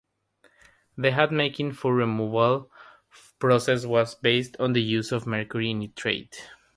The hat making fur-removal process was based on the use of mercury nitrate.